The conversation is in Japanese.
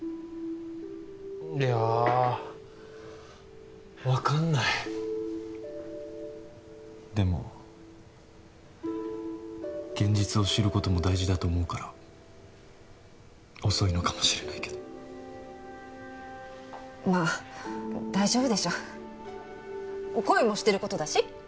いや分かんないでも現実を知ることも大事だと思うから遅いのかもしれないけどまあ大丈夫でしょ恋もしてることだし？